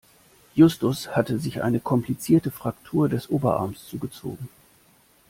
Justus hatte sich eine komplizierte Fraktur des Oberarms zugezogen.